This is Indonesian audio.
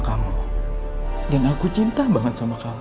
kamu dan aku cinta banget sama kamu